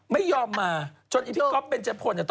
ไม่ยอมมาถ่ายรายการไงเถอะ